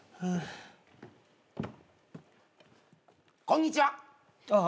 こんにちは。ああ。